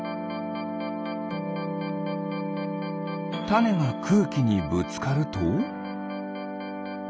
タネがくうきにぶつかると。